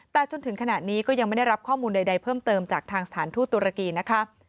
แต่จนถึงขณะนี้ก็ยังไม่ได้รับข้อมูลใดเพิ่มเติมจากทางสถานทูตตุรกีนะคะ